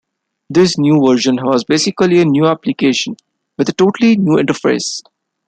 This new version was basically a new application, with a totally new interface.